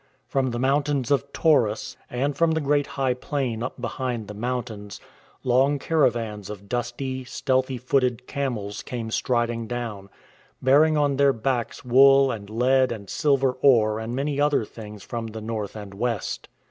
From the mountains of Taurus^ — and from the great high plain up behind the mountains — long caravans of dusty, stealthy footed camels came striding down, bearing on their backs wool and. lead and silver ore and many other things from the North and West.